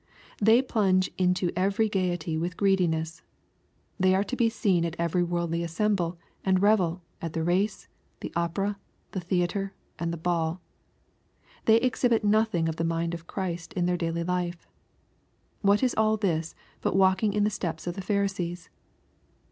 They plunge into every gaiety with greediness. They are to be seen at every worldly assembly and revel, at the race, the opera, the theatre, and the ball They exhibit noth ing of the mind of Christ in their daily life. What is all this but walking in the steps of the Pharisees